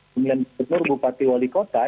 pemilihan gubernur bupati wali kota